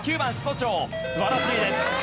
素晴らしいです。